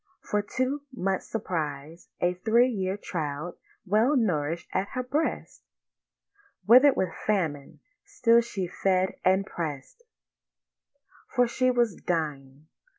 For to much surprise A three year child well nourish'd at her breast, Wither'd with famine, still she fed and press'd— For she was dying.